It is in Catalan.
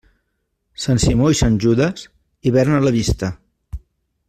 Sant Simó i Sant Judes, hivern a la vista.